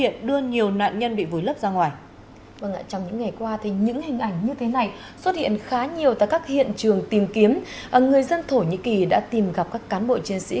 thổ nhĩ kỳ đã tìm gặp các cán bộ chiến sĩ